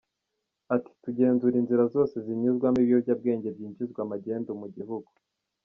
Ati “Tugenzura inzira zose zinyuzwamo ibiyobyabwenge byinjizwa magendu mu gihugu.